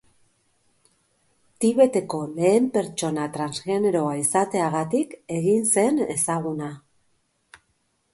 Tibeteko lehen pertsona transgeneroa izateagatik egin zen ezaguna.